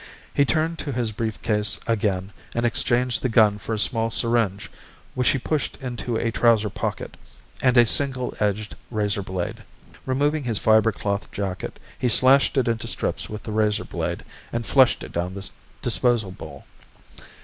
He turned to his briefcase again and exchanged the gun for a small syringe, which he pushed into a trouser pocket, and a single edged razor blade. Removing his fiber cloth jacket he slashed it into strips with the razor blade and flushed it down the disposal bowl.